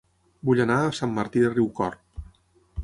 Vull anar a Sant Martí de Riucorb